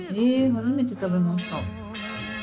初めて食べました。